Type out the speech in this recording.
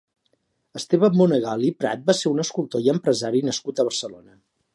Esteve Monegal i Prat va ser un escultor i empresari nascut a Barcelona.